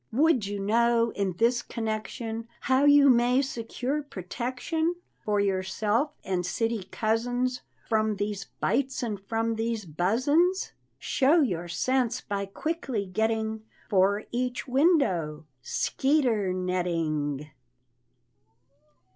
Would you know, in this connection, How you may secure protection For yourself and city cousins From these bites and from these buzzin's? Show your sense by quickly getting For each window skeeter netting.